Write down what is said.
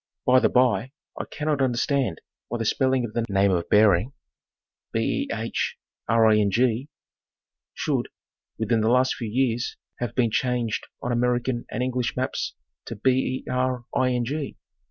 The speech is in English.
By the by, I cannot exactly understand why the spelling of the name of Behring should, within the last few years, have been changed on American and English maps to Bering.